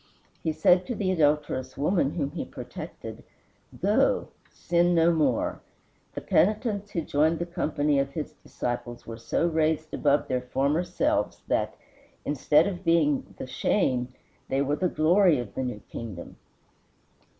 He said to the adulterous woman whom he protected, "Go, sin no more." The penitents who joined the company of his disciples were so raised above their former selves, that, instead of being the shame, they were the glory of the new kingdom.